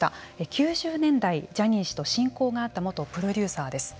９０年代ジャニー氏と親交があった元プロデューサーです。